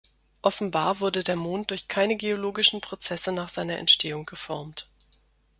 Offenbar wurde der Mond durch keine geologischen Prozesse nach seiner Entstehung geformt.